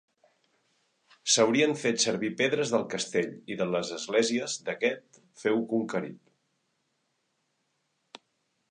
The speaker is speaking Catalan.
S'haurien fet servir pedres del castell i de les esglésies d'aquest feu conquerit.